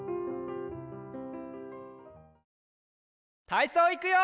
たいそういくよ！